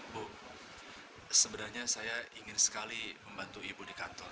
bu sebenarnya saya ingin sekali membantu ibu di kantor